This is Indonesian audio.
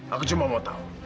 aku cuma mau tahu